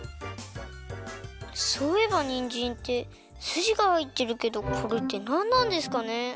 そういえばにんじんってすじがはいってるけどこれってなんなんですかね？